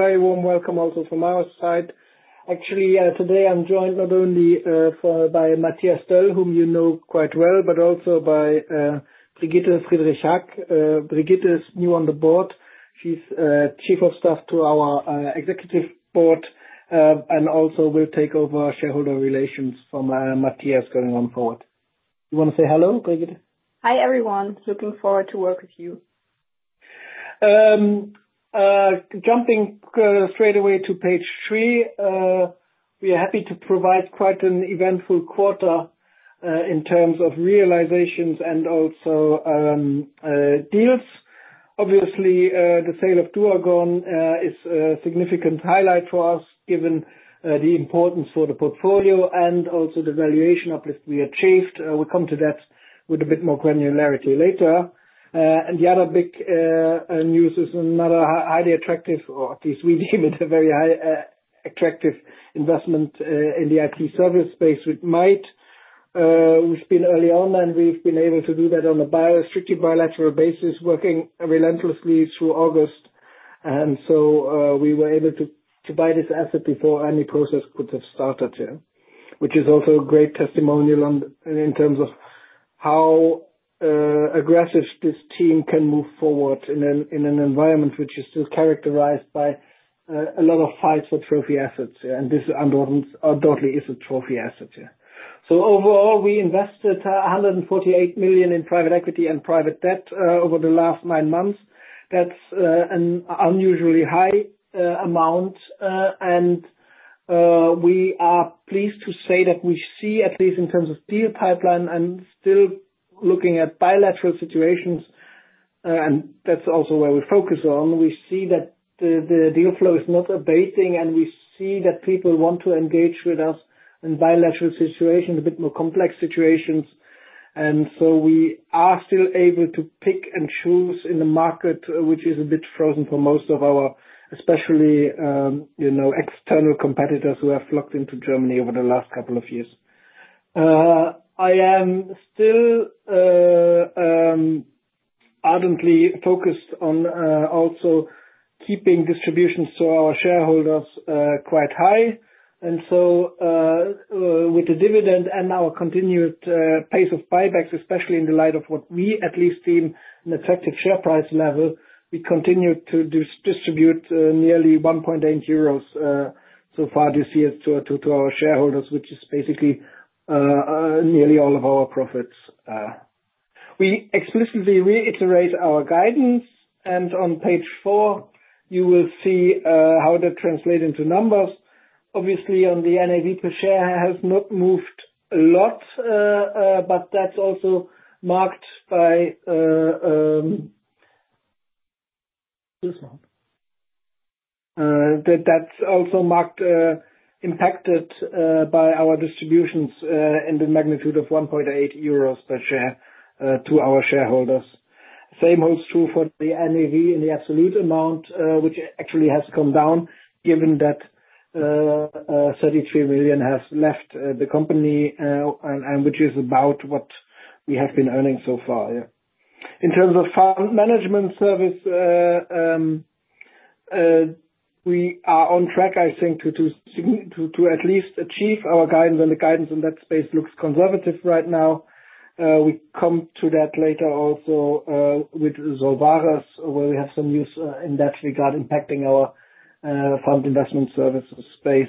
Very warm welcome also from our side. Actually, today I'm joined not only by Matthias Döll, whom you know quite well, but also by Brigitte Friedrich-Haack. Brigitte is new on the board. She's Chief of Staff to our Executive Board and also will take over shareholder relations from Matthias going on forward. You wanna say hello, Brigitte? Hi, everyone. Looking forward to work with you. Jumping straight away to page three. We are happy to provide quite an eventful quarter in terms of realizations and also deals. Obviously, the sale of duagon is a significant highlight for us, given the importance for the portfolio and also the valuation uplift we achieved. We'll come to that with a bit more granularity later. The other big news is another highly attractive, or at least we deem it a very high attractive investment in the IT service space with MAIT. We've been early on and we've been able to do that on a strictly bilateral basis, working relentlessly through August. We were able to buy this asset before any process could have started. Which is also a great testimonial in terms of how aggressive this team can move forward in an environment which is still characterized by a lot of fights for trophy assets. This undoubtedly is a trophy asset. Overall we invested 148 million in private equity and private debt over the last nine months. That's an unusually high amount. We are pleased to say that we see, at least in terms of deal pipeline and still looking at bilateral situations, and that's also where we focus on. We see that the deal flow is not abating, and we see that people want to engage with us in bilateral situations, a bit more complex situations. We are still able to pick and choose in the market, which is a bit frozen for most of our, especially, you know, external competitors who have flocked into Germany over the last couple of years. I am still ardently focused on also keeping distributions to our shareholders quite high. With the dividend and our continued pace of buybacks, especially in the light of what we at least deem an attractive share price level, we continue to distribute nearly 1.8 euros so far this year to our shareholders, which is basically nearly all of our profits. We explicitly reiterate our guidance, and on page four, you will see how that translate into numbers. Obviously, on the NAV per share has not moved a lot, but that's also marked by This one. That's also marked, impacted by our distributions in the magnitude of 1.8 euros per share to our shareholders. Same holds true for the NAV in the absolute amount, which actually has come down given that 33 million has left the company, and which is about what we have been earning so far, yeah. In terms of fund management service, we are on track, I think, to at least achieve our guidance, and the guidance in that space looks conservative right now. We come to that later also, with Solvares, where we have some news in that regard impacting our fund investment services space.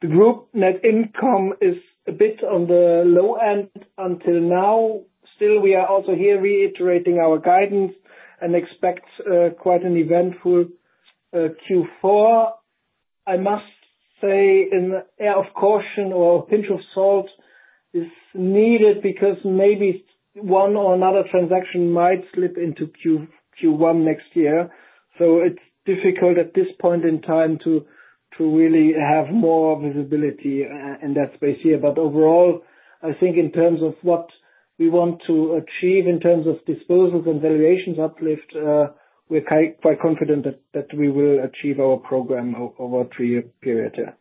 The group net income is a bit on the low end until now. Still, we are also here reiterating our guidance and expect quite an eventful Q4. I must say an air of caution or pinch of salt is needed because maybe one or another transaction might slip into Q1 next year. It's difficult at this point in time to really have more visibility in that space here. Overall, I think in terms of what we want to achieve in terms of disposals and valuations uplift, we're quite confident that we will achieve our program over a three-year period, yeah.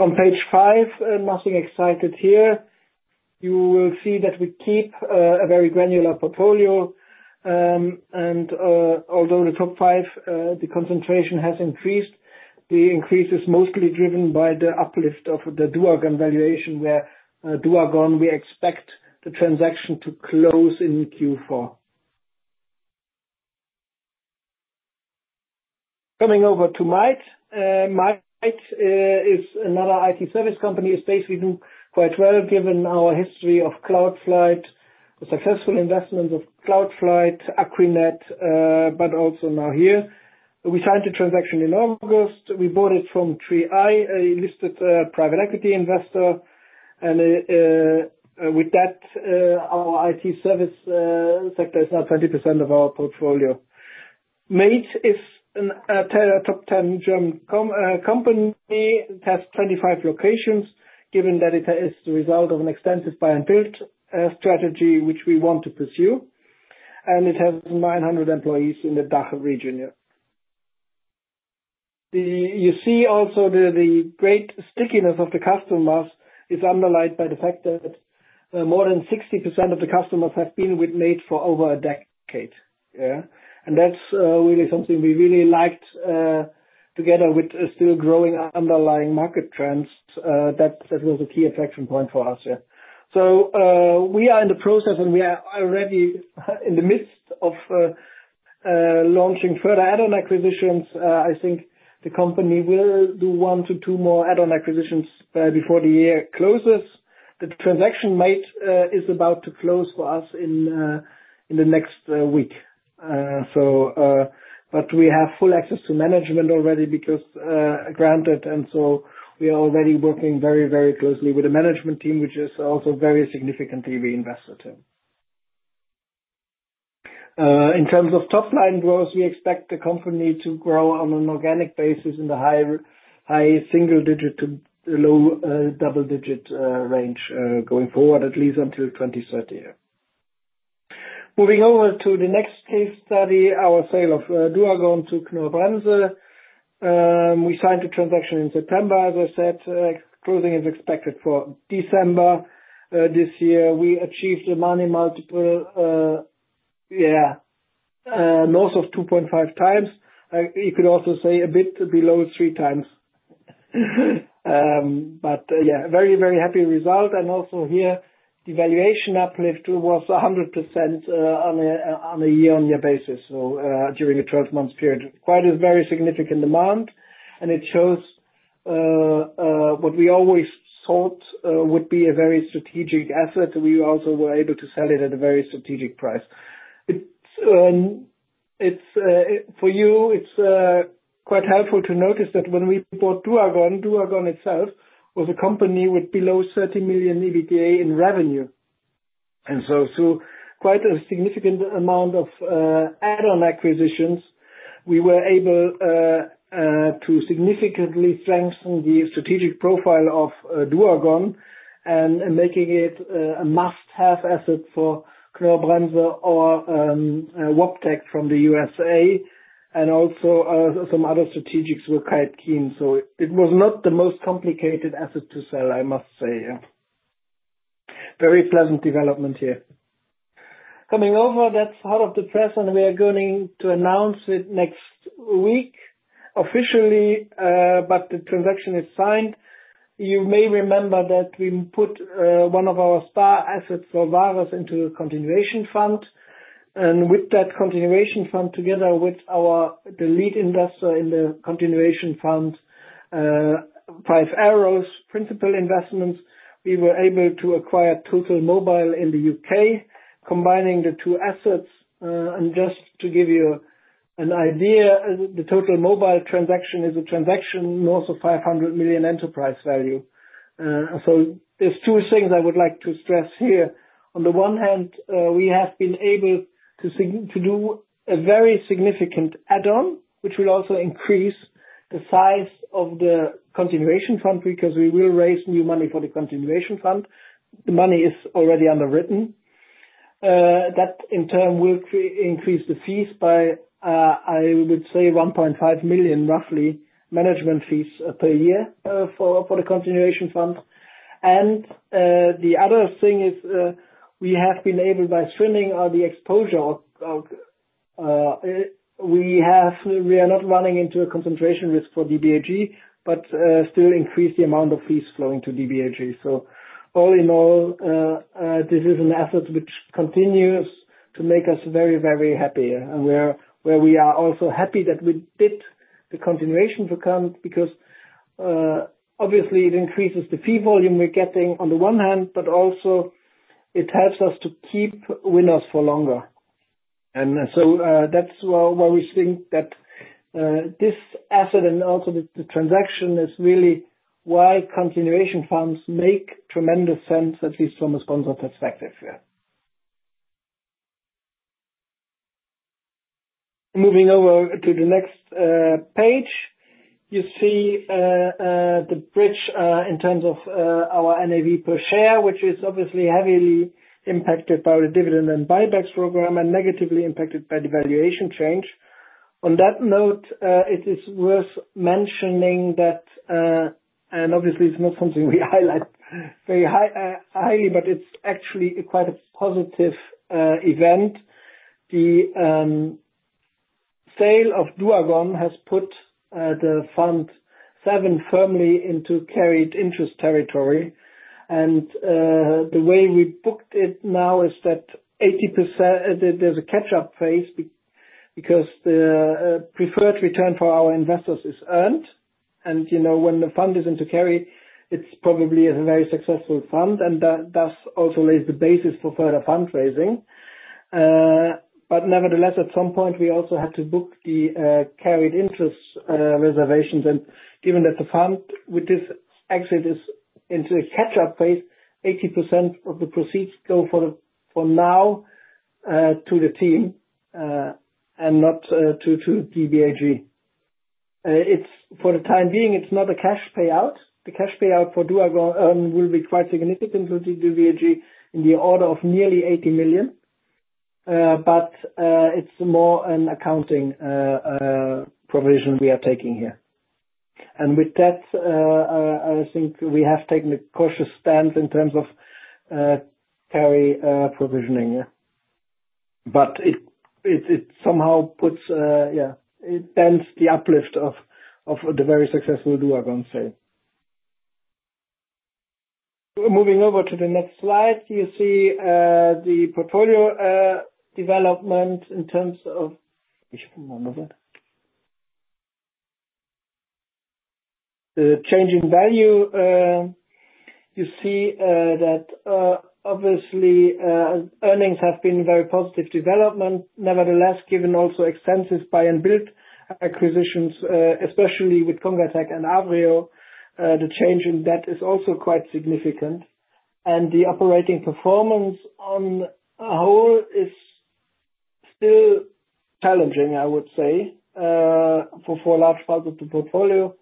On page five, nothing exciting here. You will see that we keep a very granular portfolio. Although the top five, the concentration has increased, the increase is mostly driven by the uplift of the duagon valuation, where duagon, we expect the transaction to close in Q4. Coming over to MAIT Group. MAIT is another IT service company, a space we know quite well given our history of Cloudflight, the successful investment of Cloudflight, akquinet AG, but also now here. We signed the transaction in August. We bought it from 3i, a listed private equity investor. With that, our IT service sector is now 20% of our portfolio. MAIT is a top 10 German company. It has 25 locations, given that it is the result of an extensive buy and build strategy, which we want to pursue. It has 900 employees in the DACH region, yeah. You see also the great stickiness of the customers is underlined by the fact that more than 60% of the customers have been with MAIT for over a decade, yeah. That's really something we really liked, together with still growing underlying market trends, that was a key attraction point for us, yeah. We are in the process, and we are already in the midst of launching further add-on acquisitions. I think the company will do one to two more add-on acquisitions before the year closes. The transaction MAIT is about to close for us in the next week. We have full access to management already because granted, and we are already working very closely with the management team, which is also very significantly reinvested in. In terms of top-line growth, we expect the company to grow on an organic basis in the high single-digit to low double-digit range going forward, at least until 2030, yeah. Moving over to the next case study, our sale of duagon to Knorr-Bremse. We signed the transaction in September, as I said. Closing is expected for December this year. We achieved a money multiple north of 2.5x. You could also say a bit below 3x. Very happy result. Also here, the valuation uplift was 100% on a year-on-year basis, so during a 12 months period. Acquired a very significant demand, and it shows what we always thought would be a very strategic asset. We also were able to sell it at a very strategic price. It's for you, it's quite helpful to notice that when we bought duagon itself was a company with below 30 million EBITDA in revenue. Through quite a significant amount of add-on acquisitions, we were able to significantly strengthen the strategic profile of duagon and making it a must-have asset for Knorr-Bremse or Wabtec from the U.S.A. Some other strategics were quite keen. It was not the most complicated asset to sell, I must say. Very pleasant development here. Coming over, that's out of the press, and we are going to announce it next week officially, but the transaction is signed. You may remember that we put one of our star assets Solvares into a continuation fund. With that continuation fund, together with the lead investor in the continuation fund, Five Arrows Principal Investments, we were able to acquire Totalmobile in the U.K., combining the two assets. Just to give you an idea, the Totalmobile transaction is a transaction north of 500 million enterprise value. There's two things I would like to stress here. On the one hand, we have been able to do a very significant add-on, which will also increase the size of the continuation fund because we will raise new money for the continuation fund. The money is already underwritten. That in turn will increase the fees by, I would say 1.5 million, roughly, management fees per year for the continuation fund. The other thing is, we have been able by trimming the exposure of, we are not running into a concentration risk for DBAG, but still increase the amount of fees flowing to DBAG. All in all, this is an asset which continues to make us very, very happy. Where we are also happy that we did the continuation fund because obviously it increases the fee volume we're getting on the one hand, but also it helps us to keep winners for longer. That's why we think that this asset and also the transaction is really why continuation funds make tremendous sense, at least from a sponsor perspective, yeah. Moving over to the next page. You see the bridge in terms of our NAV per share, which is obviously heavily impacted by the dividend and buybacks program and negatively impacted by the valuation change. On that note, it is worth mentioning that and obviously it's not something we highlight very highly, but it's actually quite a positive event. The sale of duagon has put DBAG Fund VII firmly into carried interest territory. The way we booked it now is that 80% there's a catch-up phase because the preferred return for our investors is earned. You know, when the fund is into carry, it's probably a very successful fund, and that thus also lays the basis for further fundraising. Nevertheless, at some point, we also had to book the carried interest reservations. Given that the fund with this actually is into a catch-up phase, 80% of the proceeds go for now to the team and not to DBAG. For the time being, it's not a cash payout. The cash payout for duagon will be quite significant to DBAG in the order of nearly 80 million. It's more an accounting provision we are taking here. With that, I think we have taken a cautious stance in terms of carry provisioning. It somehow puts, it bends the uplift of the very successful duagon sale. Moving over to the next slide, you see the portfolio development in terms of the change in value, you see that, obviously, earnings have been very positive development. Given also extensive buy and build acquisitions, especially with congatec and Avrio, the change in that is also quite significant. The operating performance on a whole is still challenging, I would say, for a large part of the portfolio.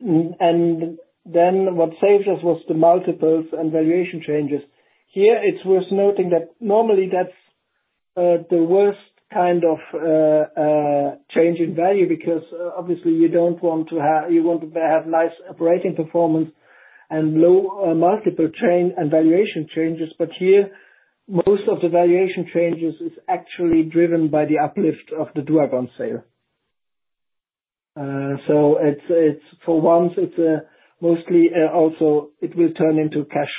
What saved us was the multiples and valuation changes. Here, it's worth noting that normally that's the worst kind of change in value because obviously you want to have nice operating performance and low multiple change and valuation changes. Here, most of the valuation changes is actually driven by the uplift of the duagon sale. So it's for once, it's mostly also it will turn into cash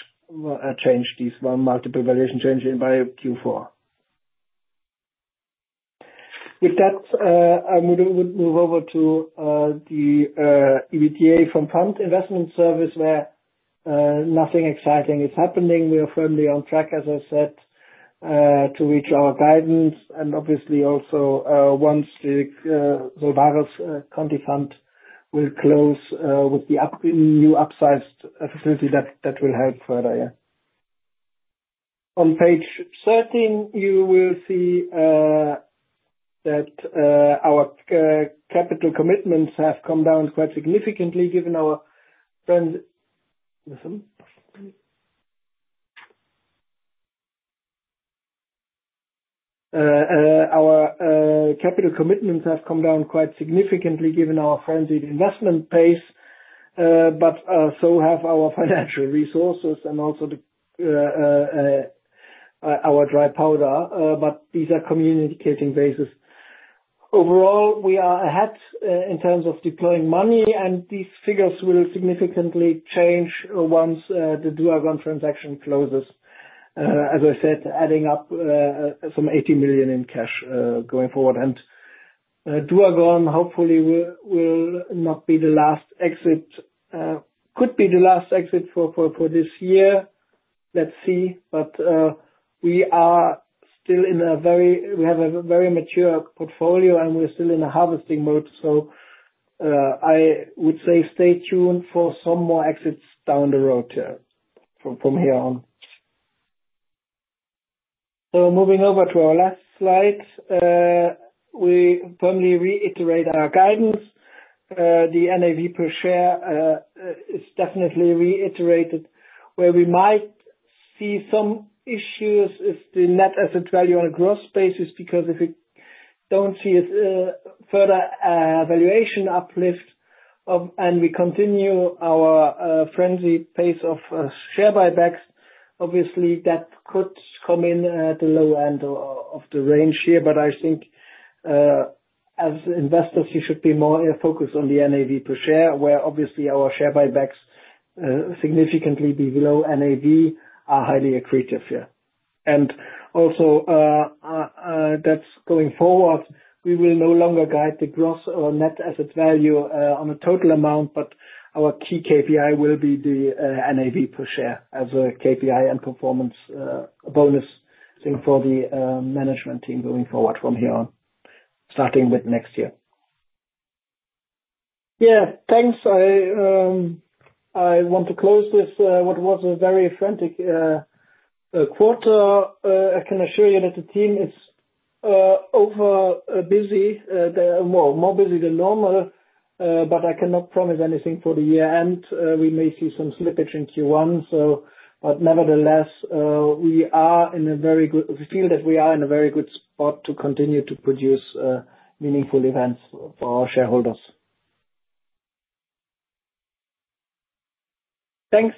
change, this one multiple valuation change in by Q4. With that, I would move over to the EBITDA from Fund Investment Services where nothing exciting is happening. We are firmly on track, as I said, to reach our guidance and obviously also once Solvares continuation fund will close with the new upsized facility that will help further. On page 13, you will see that our capital commitments have come down quite significantly given our frenzied investment pace, but so have our financial resources and also our dry powder. These are communicating basis. Overall, we are ahead in terms of deploying money. These figures will significantly change once the duagon transaction closes. As I said, adding up some 80 million in cash going forward. duagon, hopefully will not be the last exit. Could be the last exit for this year. Let's see. We are still in a very mature portfolio, and we're still in a harvesting mode. I would say stay tuned for some more exits down the road from here on. Moving over to our last slide, we firmly reiterate our guidance. The NAV per share is definitely reiterated. Where we might see some issues is the net asset value on a gross basis, because if we don't see a further valuation uplift and we continue our frenzy pace of share buybacks, obviously that could come in the low end of the range here. I think as investors, you should be more focused on the NAV per share, where obviously our share buybacks significantly below NAV are highly accretive. That's going forward. We will no longer guide the gross or net asset value, on a total amount, but our key KPI will be the NAV per share as a KPI and performance bonus thing for the management team going forward from here on, starting with next year. Yeah, thanks. I want to close this, what was a very frantic quarter. I can assure you that the team is over busy, more busy than normal, I cannot promise anything for the year-end. Nevertheless, we feel that we are in a very good spot to continue to produce meaningful events for our shareholders. Thanks.